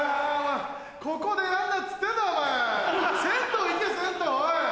ここでやんなっつってんだお前銭湯行け銭湯。